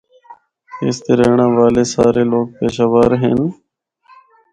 اس دے رہنڑا والے سارے لوگ پشہ ور ہن۔